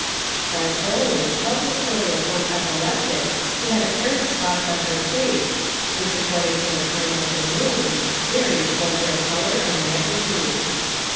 Bartholin tells a Story of one Epileptic who had apparent Spots in her Face, which according to the Time of the Moon, varyed both their Colour and Magnitude.